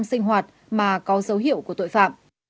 sinh hoạt mà có dấu hiệu của tội phạm